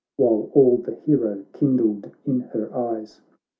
While all the hero kindled in her eyes.